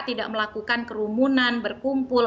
tidak melakukan kerumunan berkumpul